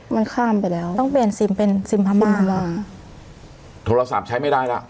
มันข้ามไปแล้วต้องเปลี่ยนซิมเป็นซิมทำบุญธรรมดาโทรศัพท์ใช้ไม่ได้แล้ว